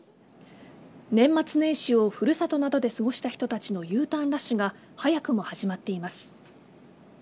年末年始を古里などで過ごした人たちのＵターンラッシュが早くも始まっています。